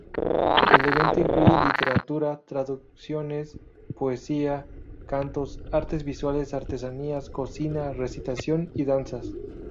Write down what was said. El evento incluye literatura, traducciones, poesías, cantos, artes visuales, artesanías, cocina, recitación y danzas.